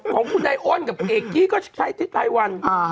ของนายอ้นกับเอกกี้ก็ใช้ทิศไทยวัน